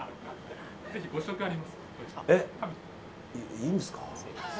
いいんですか。